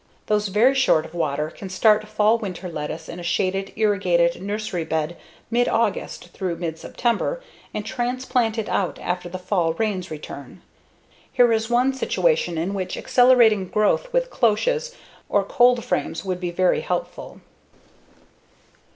Those very short of water can start fall/winter lettuce in a shaded, irrigated nursery bed mid August through mid September and transplant it out after the fall rains return. Here is one situation in which accelerating growth with cloches or cold frames would be very helpful.